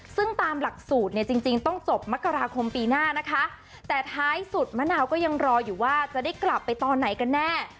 ซึ่งตามหลักสูตรเนี่ยจริงจริงต้องจบมกราคมปีหน้านะคะแต่ท้ายสุดมะนาวก็ยังรออยู่ว่าจะได้กลับไปตอนไหนกันแน่